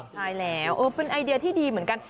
ใช่แล้วเป็นไอเดียที่ดีเหมือนกัน